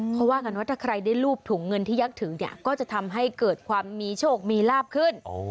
เขาว่ากันว่าถ้าใครได้รูปถุงเงินที่ยักษ์ถึงเนี่ยก็จะทำให้เกิดความมีโชคมีลาบขึ้น